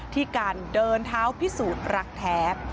ที่การเดินเท้าพิสูจน์รักแท้